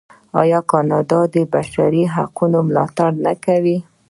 آیا کاناډا د بشري حقونو ملاتړ نه کوي؟